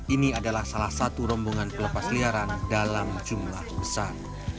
ini adalah salah satu rombongan pelepasliaran dalam jumlah besar